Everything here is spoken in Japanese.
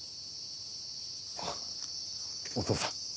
あっお父さん。